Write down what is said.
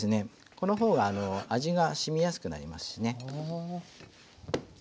このほうが味が染みやすくなりますしね。